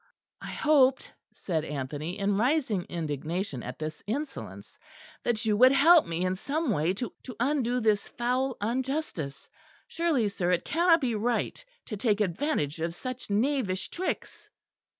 "I hoped," said Anthony, in rising indignation at this insolence, "that you would help me in some way to undo this foul unjustice. Surely, sir, it cannot be right to take advantage of such knavish tricks."